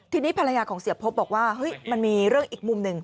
ทีนี้ภรรยาของเสียพบบอกว่าเฮ้ยมันมีเรื่องอีกมุมหนึ่ง